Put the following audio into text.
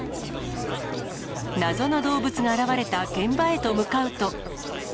謎の動物が現れた現場へと向かうと。